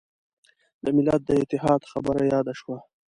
د ملت د اتحاد خبره یاده شوه.